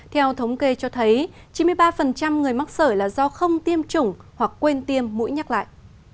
theo thống kê cho thấy chín mươi ba người mắc sởi là do không tiêm chủng hoặc quên tiêm mũi nhắc lại